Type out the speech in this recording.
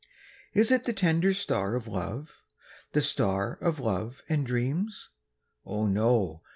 Is it the tender star of love? The star of love and dreams? Oh, no!